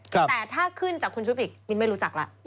แต่ถ้าขึ้นจากคุณชุบอีกมิ้นไม่รู้จักแล้ว